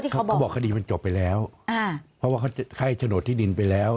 เขาบอกคดีมันจบไปแล้วอ่าเพราะว่าเขาให้โฉนดที่ดินไปแล้ว